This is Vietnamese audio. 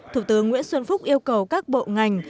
thủ tướng nguyễn xuân phúc yêu cầu các bộ ngành